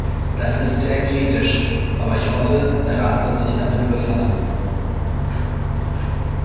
Das ist sehr kritisch, aber ich hoffe, der Rat wird sich damit befassen.